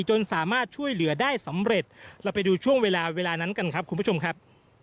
จนสามารถช่วยเหลือได้สำเร็จเราไปดูช่วงเวลาเวลานั้นกันครับคุณผู้ชมครับ